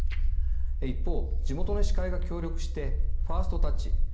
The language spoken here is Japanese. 一方地元の医師会が協力してファーストタッチ